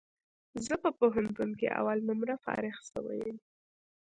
زه په پوهنتون کي اول نمره فارغ سوی یم